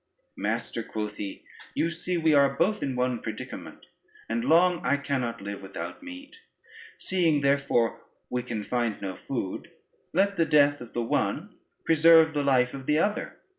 "Master," quoth he, "you see we are both in one predicament, and long I cannot live without meat; seeing therefore we can find no food, let the death of the one preserve the life of the other.